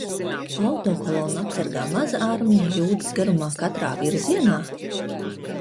Autokolonnu apsargā maza armija jūdzes garumā katrā virzienā?